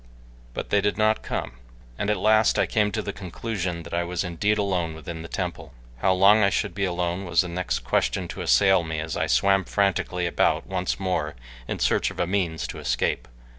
But they did not come, and at last I came to the conclusion that I was indeed alone within the temple. How long I should be alone was the next question to assail me as I swam frantically about once more in search of a means to escape.